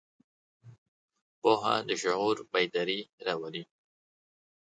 پوهه د شعور بیداري راولي.